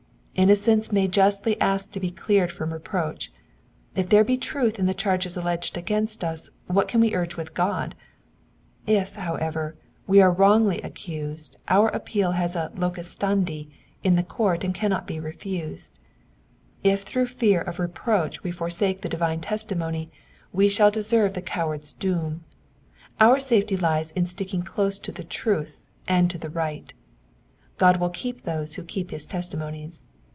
'*'^ Innocence may justly ask to be cleared from reproach. If there be truth in the charges alleged against us what can we urge with God ? If, however, we are wrongfully accused our appeal has a loem standi in the court. and cannot be refused. If through fear of reproach we forsake the divine testimony we shall deserve the coward's doom ; our safety lies in sticking close to the true and to the light. God will keep those who keep his testimonies.